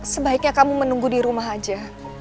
sebaiknya kamu menunggu di rumah aja